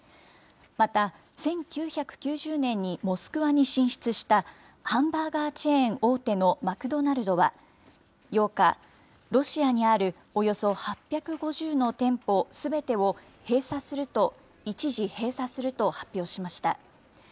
また１９９０年にモスクワに進出したハンバーガーチェーン大手のマクドナルドは、８日、ロシアにあるおよそ８５０の店舗すべてを閉鎖すると一時閉鎖すると発表しました。